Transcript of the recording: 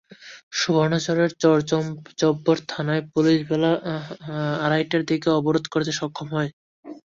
সুবর্ণচরের চরজব্বর থানার পুলিশ বেলা আড়াইটার দিকে অবরোধ সরাতে সক্ষম হয়।